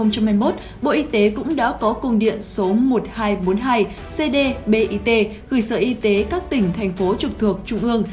chúng đã có công điện số một nghìn hai trăm bốn mươi hai cd bit gửi sở y tế các tỉnh thành phố trực thuộc trung ương